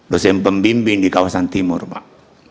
dosen pembimbing di kawasan timur pak